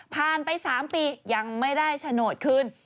ผ่านไป๓ปียังไม่ได้โฉนดคืน